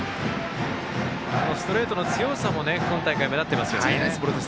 あのストレートの強さも今大会、目立ってますね。